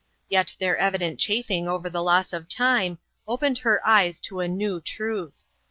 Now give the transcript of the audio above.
Yet their evident chafing over the loss of time opened her eyes to a new truth.